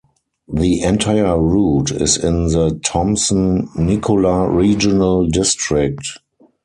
The entire route is in the Thompson-Nicola Regional District.